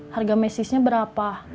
harga mesisnya berapa